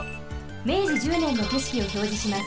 明治１０ねんのけしきをひょうじします。